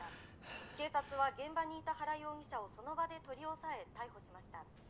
警察は現場にいた原容疑者をその場で取り押さえ逮捕しました。